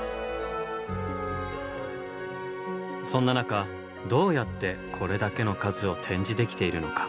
そんな中どうやってこれだけの数を展示できているのか。